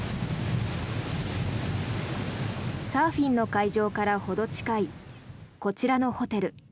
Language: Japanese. サーフィンの会場からほど近いこちらのホテル。